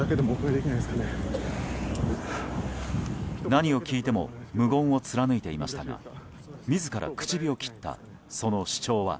何を聞いても無言を貫いていましたが自ら口火を切ったその主張は。